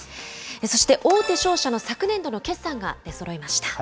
そして、大手商社の昨年度の決算が出そろいました。